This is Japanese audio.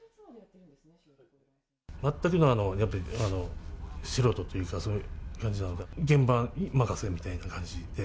全くの素人というか、そういう感じの、現場任せみたいな感じで。